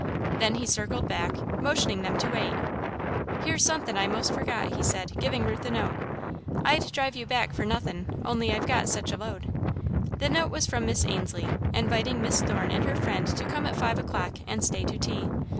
Then he circled back, motioning them to wait. "Here's sunthin' I most forgot," he said, giving Ruth a note. "I'd drive you back fer nothin', only I've got sech a load." The note was from Miss Ainslie, inviting Miss Thorne and her friend to come at five o'clock and stay to tea.